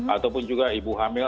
ataupun juga ibu hamil